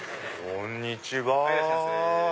こんにちは。